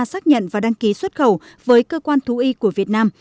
xác nhận và đăng ký xuất khẩu với cơ quan thú y của việt nam